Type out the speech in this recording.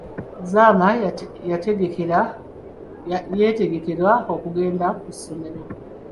Zama yetegekera okugenda ku ssomero.